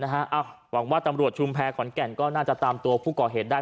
หวังว่าตำรวจชุมแพรขอนแก่นก็น่าจะตามตัวผู้ก่อเหตุได้